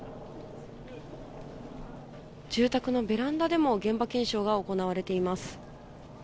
住宅のベランダでも現場検証が行われています。